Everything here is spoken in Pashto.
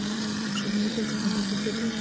د خوشحالۍ ارزښت د خندا سره زیاتېږي.